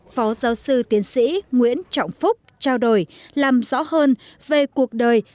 phó giáo sư tiến sĩ nguyễn trọng phúc trao đổi làm rõ hơn về cuộc đời